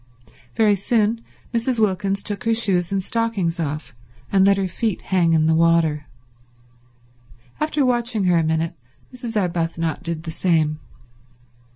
Very soon Mrs. Wilkins took her shoes and stockings off, and let her feet hang in the water. After watching her a minute Mrs. Arbuthnot did the same.